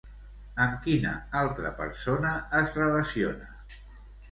Amb quina altra persona es relaciona?